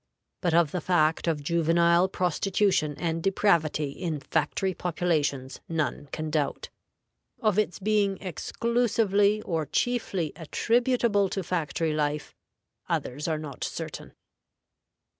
But of the fact of juvenile prostitution and depravity in factory populations none can doubt; of its being exclusively or chiefly attributable to factory life, others are not certain.